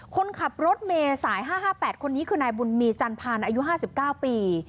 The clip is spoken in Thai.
คนขับรถเมย์สาย๕๕๘คนนี้คือนายบุญมีจันพันธ์อายุ๕๙ปี